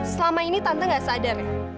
selama ini tante gak sadar ya